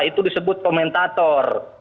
itu disebut komentator